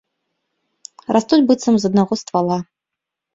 Растуць быццам з аднаго ствала.